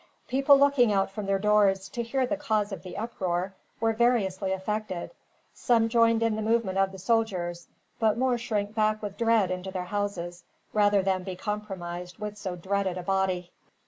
People looking out from their doors, to hear the cause of the uproar, were variously affected. Some joined in the movement of the soldiers; but more shrank back with dread into their houses, rather than be compromised with so dreaded a body.